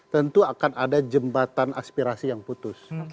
tentu akan ada jembatan aspirasi yang putus